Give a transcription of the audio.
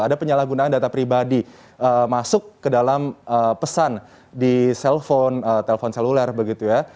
ada penyalahgunaan data pribadi masuk ke dalam pesan di cell phone telpon seluler begitu ya